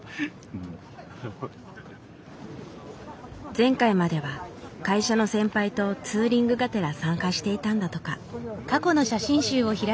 前回までは会社の先輩とツーリングがてら参加していたんだとか。